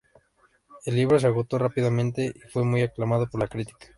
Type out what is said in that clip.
El libro se agotó rápidamente y fue muy aclamado por la crítica.